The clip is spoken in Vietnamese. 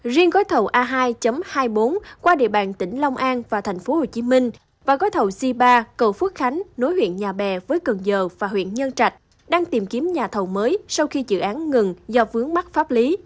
riêng gói thầu a hai hai mươi bốn qua địa bàn tỉnh long an và thành phố hồ chí minh và gói thầu g ba cầu phước khánh nối huyện nhà bè với cần giờ và huyện nhân trạch đang tìm kiếm nhà thầu mới sau khi dự án ngừng do vướng bắt pháp lý